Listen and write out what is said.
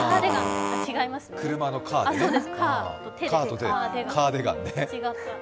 車のカーと手でカーディガンね。